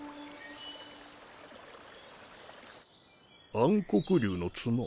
暗黒竜の角？